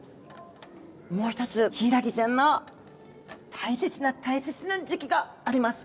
もう一つヒイラギちゃんの大切な大切な時期があります。